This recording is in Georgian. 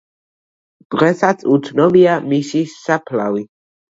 დღესაც უცნობია მისი საფლავი.